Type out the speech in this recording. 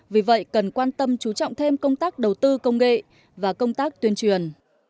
vì vậy cần quan tâm chú trọng thêm công tác đầu tư công nghệ và công tác tuyên truyền